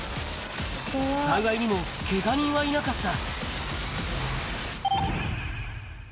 幸いにも、けが人はいなかった。